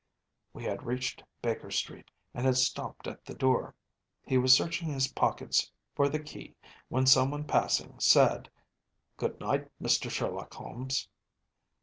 ‚ÄĚ We had reached Baker Street and had stopped at the door. He was searching his pockets for the key when someone passing said: “Good night, Mister Sherlock Holmes.